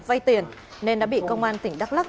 vay tiền nên đã bị công an tỉnh đắk lắc